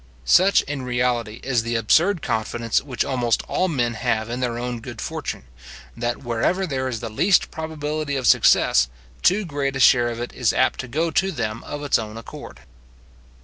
Such, in reality, is the absurd confidence which almost all men have in their own good fortune, that wherever there is the least probability of success, too great a share of it is apt to go to them of its own accord.